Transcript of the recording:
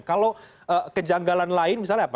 kalau kejanggalan lain misalnya apa